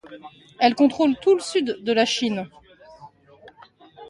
Elle contrôle tout le sud de la Chine.